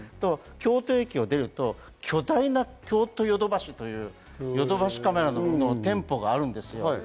京都駅を出ると巨大な京都ヨドバシというヨドバシカメラの店舗があるんですよ。